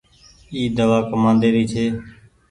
اي دوآ ڪمآندي ري ڇي۔